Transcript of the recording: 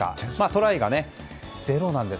トライが０なんです。